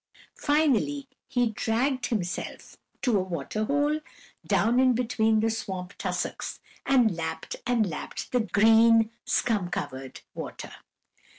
Finally he dragged himself to a water hole, down in between the swamp tussocks, and lapped and lapped the green, scum covered water.